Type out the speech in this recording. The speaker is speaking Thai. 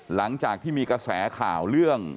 หลังจากที่มีกระแสข่าวเรื่อง